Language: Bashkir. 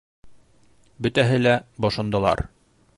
Бөтәһе лә бошондолар.